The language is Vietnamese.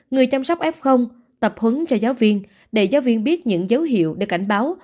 người chăm sóc f tập huấn cho giáo viên để giáo viên biết những dấu hiệu để cảnh báo